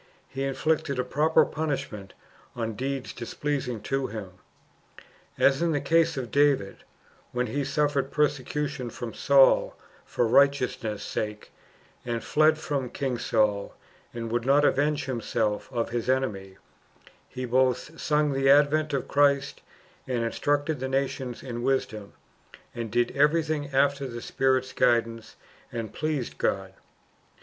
He inflicted a proper punishment on deeds displeasing to Him. As in the case of David,""^ when he suffered persecution from Saul for righteousness' sake, and fled from King Saul, and would not avenge himself of his enemy, he both sung the advent of Christ, and instructed the nations in wisdom, and did everything after the Spirit's guid ance, and pleased God.